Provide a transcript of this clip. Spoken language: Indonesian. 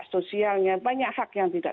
sosialnya banyak hak yang tidak